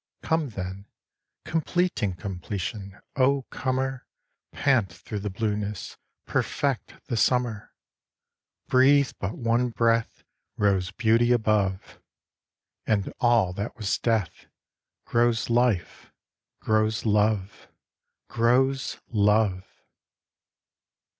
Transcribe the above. Come then, complete incompletion, O comer, Pant through the blueness, perfect the summer! Breathe but one breath Rose beauty above, And all that was death Grows life, grows love, Grows love!